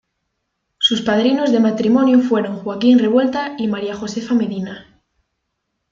Sus padrinos de matrimonio fueron Joaquín Revuelta y María Josefa Medina.